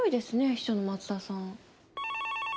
秘書の松田さん。